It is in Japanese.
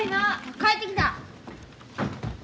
帰ってきた。